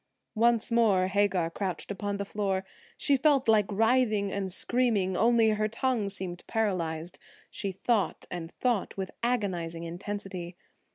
Once more Hagar crouched upon the floor. She felt like writhing and screaming, only her tongue seemed paralyzed. She thought and thought with agonizing intensity.